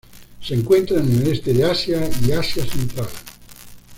Se encuentra en el este de Asia y Asia central.